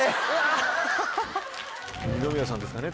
二宮さんですかね